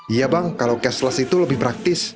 iya bang kalau cashless itu lebih praktis